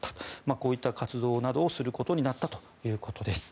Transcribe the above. こうした活動などをすることになったということです。